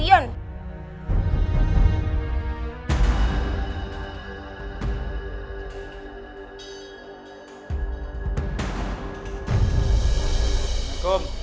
apa yang diputuskan dia